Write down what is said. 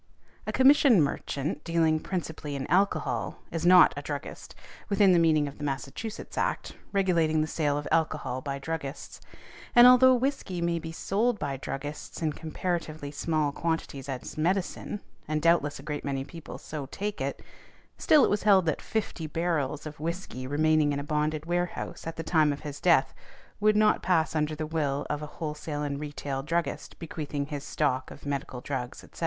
A commission merchant, dealing principally in alcohol, is not a druggist, within the meaning of the Massachusetts' Act, regulating the sale of alcohol by druggists ; and although whiskey may be sold by druggists in comparatively small quantities as medicine, and doubtless a great many people so take it, still it was held that fifty barrels of whiskey remaining in a bonded warehouse at the time of his death would not pass under the will of a wholesale and retail druggist bequeathing his stock of medical drugs, etc.